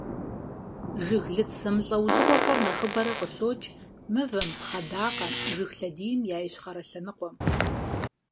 Жыглыц зэмылӀэужьыгъуэхэр нэхъыбэрэ къыщокӀ мывэм, пхъэдакъэм, жыг лъэдийм я ищхъэрэ лъэныкъуэм.